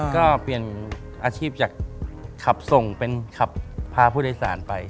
ก็เปลี่ยนอาชีพจากขับส่งเป็นขับพาผู้โดยสารไป